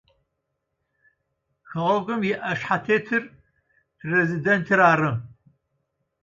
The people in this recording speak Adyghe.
Xeğegum yi'eşshetêtır prêzidêntır arı.